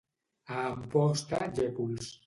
A Amposta, llépols.